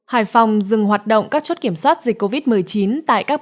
hải phòng dừng hoạt động các chốt kiểm soát dịch covid một mươi chín tại các bến tàu bến cảng